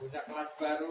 sudah kelas baru